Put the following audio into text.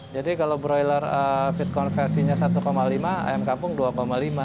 jadi kalau broiler feed conversion nya rp satu lima ayam kampung rp dua lima